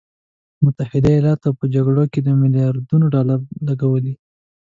متحده ایالاتو په جګړو کې میلیارډونه ډالر لګولي.